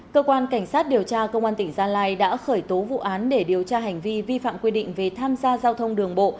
cơ quan cảnh sát điều tra công an tỉnh gia lai đã khởi tố vụ án để điều tra hành vi vi phạm quy định về tham gia giao thông đường bộ